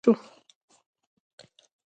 د کابل هوایي ډګر مې یاد شو.